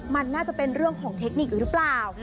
มันน่าจะเป็นเรื่องของเทคนิคอยู่หรือเปล่า